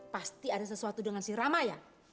pasti ada sesuatu dengan si rama ya